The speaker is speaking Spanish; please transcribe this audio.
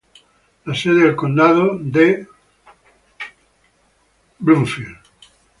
Es sede del condado de Winston.